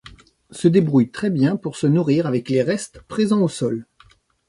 Se débrouille très bien pour se nourrir avec les restes présents au sol.